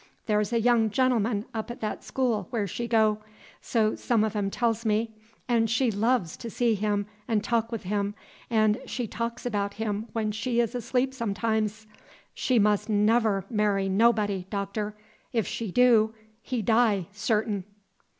The' 's a young gen'l'm'n up at that school where she go, so some of 'em tells me, 'n' she loves t' see him 'n' talk wi' him, 'n' she talks about him when she 's asleep sometimes. She mus 'n' never marry nobody, Doctor! If she do, he die, certain!"